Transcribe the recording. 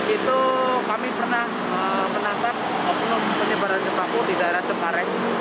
itu kami pernah menangkap oknum penebaran paku di daerah cepareng